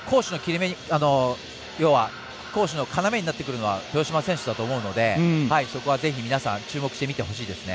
攻守の要になってくるのは豊島選手だと思うのでそこは皆さん注目して見てほしいですね。